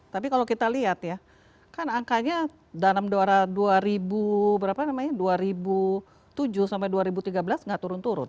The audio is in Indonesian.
tapi kalau kita lihat ya kan angkanya dalam dua ribu tujuh sampai dua ribu tiga belas nggak turun turun